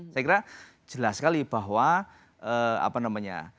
saya kira jelas sekali bahwa apa namanya